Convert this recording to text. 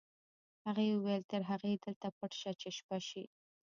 هغې وویل تر هغې دلته پټ شه چې شپه شي